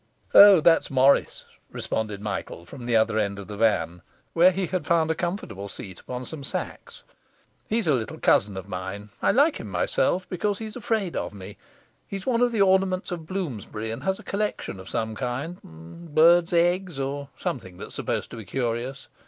'O, that's Morris,' responded Michael from the other end of the van, where he had found a comfortable seat upon some sacks. 'He's a little cousin of mine. I like him myself, because he's afraid of me. He's one of the ornaments of Bloomsbury, and has a collection of some kind birds' eggs or something that's supposed to be curious.